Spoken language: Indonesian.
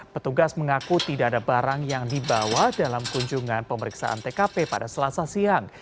petugas mengaku tidak ada barang yang dibawa dalam kunjungan pemeriksaan tkp pada selasa siang